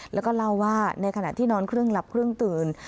แล้วก็เล่าว่าในขณะที่นอนเครื่องหลับเครื่องตื่น